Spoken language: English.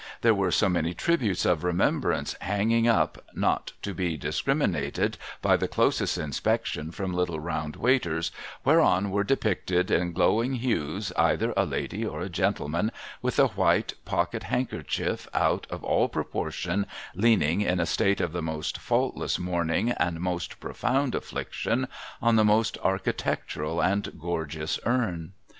There were so many tributes of remembrance hanging up, not to be dis criminated by the closest inspection from little round waiters, whereon were depicted in glowing hues either a lady or a gentleman with a white pocket handkerchief out of all proportion, leaning, in a state of the most faultless mourning and most profound afliiction, on the most architectural and gorgeous urn